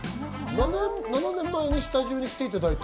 ７年前にスタジオに来ていただいた？